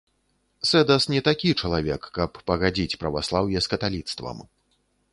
Сэдас не такі чалавек, каб пагадзіць праваслаўе з каталіцтвам.